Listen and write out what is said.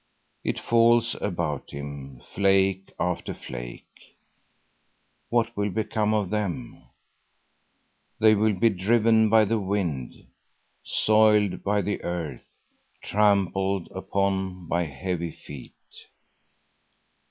It falls about him, flake after flake. What will become of them? They will be driven by the wind, soiled by the earth, trampled upon by heavy feet.